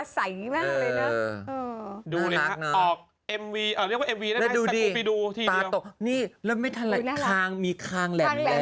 สูงตาน่ารักตาใสมากเลยเนอะ